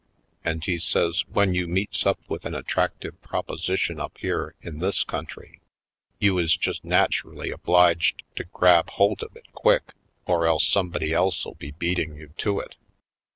And he says when you meets up with an attractive proposition up Local Colored 91 here in this country you is just naturally obliged to grab holt of it quick or else somebody else '11 be beating you to it.